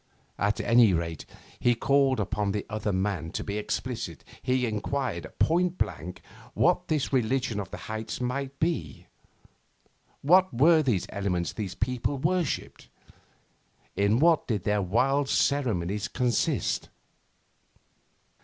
At any rate, he called upon the other man to be explicit. He enquired point blank what this religion of the heights might be. What were these elements these people worshipped? In what did their wild ceremonies consist?